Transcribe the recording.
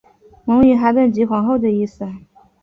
蒙语哈屯即皇后的意思。